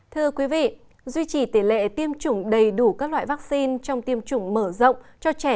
thưa quý vị duy trì tỷ lệ tiêm chủng đầy đủ các loại vaccine trong tiêm chủng mở rộng cho trẻ